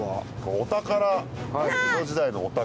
お宝江戸時代のお宝。